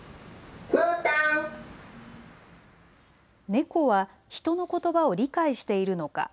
ネコは人のことばを理解しているのか。